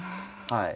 はい。